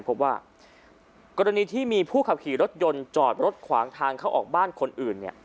พบว่ากรณีที่มีผู้ขับขี่รถยนต์จอดรถขวางทางเข้าออกบ้านคนอื่นเนี่ย